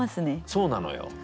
そうなのよ。